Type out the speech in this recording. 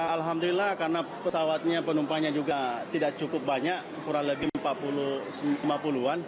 alhamdulillah karena pesawatnya penumpangnya juga tidak cukup banyak kurang lebih lima puluh an